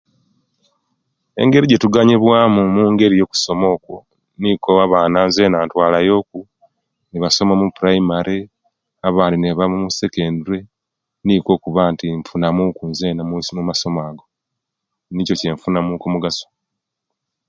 Engeri ejetuganyulwamu omungeri yokusoma okwo nikwo abaana Zena ntwala yoku nebasoma omupraimare abandi neba omu'sekendureamasoma ago niko ekyefunamu nikwo okuboneka nze nti abensi bafunamu omumasomero omumasoma ago nikyo ekyefunamuku okyomugaaso.